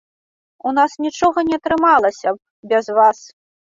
У нас нічога не атрымалася б без вас.